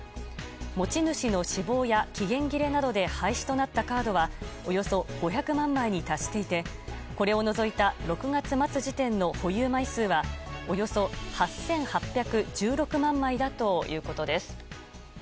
持ち主の死亡や期限切れなどで廃止となったカードはおよそ５００万枚に達していてこれを除いた６月末時点の保有枚数はおよそ８８１６万枚だということです。